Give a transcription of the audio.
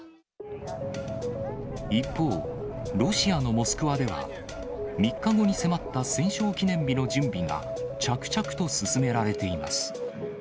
一方、ロシアのモスクワでは、３日後に迫った戦勝記念日の準備が、着々と進められています。